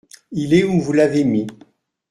Il est où vous l'avez mis.